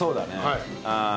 はい。